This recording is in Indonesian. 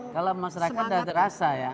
kalau masyarakat sudah terasa ya